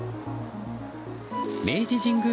明治神宮